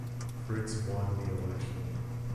Fritz won the election.